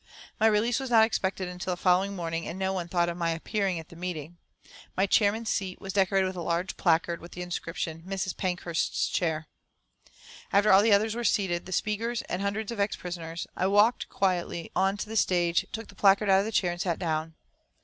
My release was not expected until the following morning, and no one thought of my appearing at the meeting. My chairman's seat was decorated with a large placard with the inscription, "Mrs. Pankhurst's Chair." After all the others were seated, the speakers, and hundreds of ex prisoners. I walked quietly onto the stage, took the placard out of the chair and sat down.